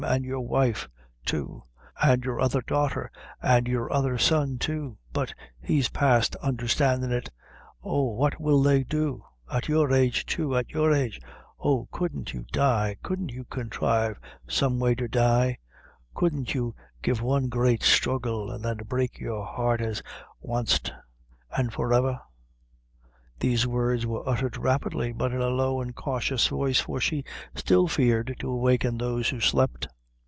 an' your wife, too; an' your other daughter, an' your other son, too; but he's past under standin' it; oh, what will they do? At your age, too at your age! Oh, couldn't you die? couldn't you contrive, someway, to die? couldn't you give one great struggle, an' then break your heart at wanst, an' forever!" These words were uttered rapidly, but in a low and cautious voice, for she still feared to awaken those who slept.